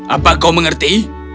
apa kau mengerti